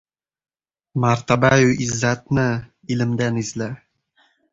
— Martabayu izzatni ilmdan izla.